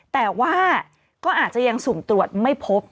แต่ว่าก็อาจจะยังสุ่มตรวจไม่พบ